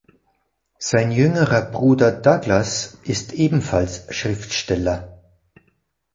Sein jüngerer Bruder Douglas ist ebenfalls Schriftsteller.